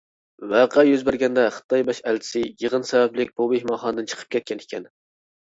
ۋەقە يۈز بەرگەندە خىتاي باش ئەلچىسى يىغىن سەۋەبلىك بۇ مېھمانخانىدىن چىقىپ كەتكەن ئىكەن.